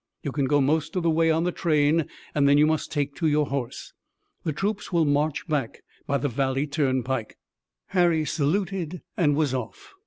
You can go most of the way on the train and then you must take to your horse. The troops will march back by the valley turnpike." Harry saluted and was off.